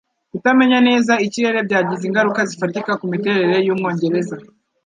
Kutamenya neza ikirere byagize ingaruka zifatika kumiterere yumwongereza